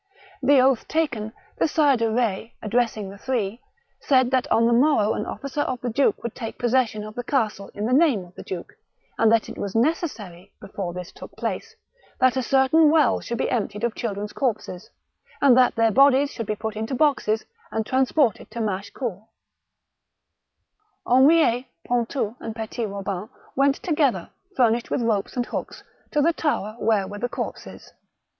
The oath taken, the Sire de Retz, addressing the three, said that on the morrow an officer of the duke would take possession of the castle in the name of the duke, and that it was necessary, before this took place, that a certain well should be emptied of children's corpses, and that their bodies should be put into boxes and transported to Machecoul. Henriet, Pontou, and Petit Robin went together, furnished with ropes and hooks, to the tower where were the corpses.